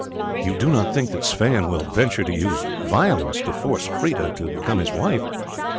"You do not think that Sweyn will venture to use violence to force Freda to become his wife?"